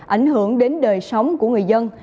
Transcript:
ảnh hưởng đến đời sống của người dân